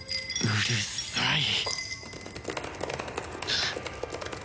うるさーい！